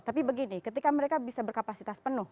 tapi begini ketika mereka bisa berkapasitas penuh